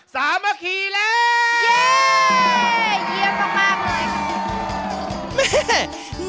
สามารถขี่แล้วเย่เยี่ยมมากหน่อย